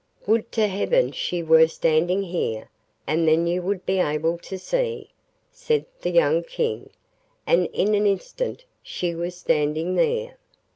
'Would to heaven she were standing here, and then you would be able to see!' said the young King, and in an instant she was standing there.